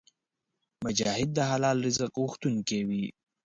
مجاهد د حلال رزق غوښتونکی وي.